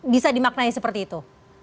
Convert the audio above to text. bisa dimaknai seperti itu